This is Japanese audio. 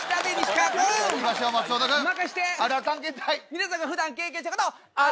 皆さんが普段経験したこと。